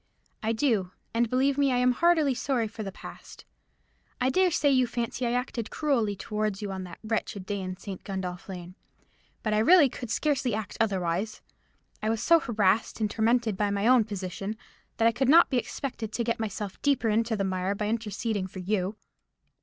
"I do; and, believe me, I am heartily sorry for the past. I dare say you fancy I acted cruelly towards you on that wretched day in St. Gundolph Lane; but I really could scarcely act otherwise. I was so harassed and tormented by my own position, that I could not be expected to get myself deeper into the mire by interceding for you.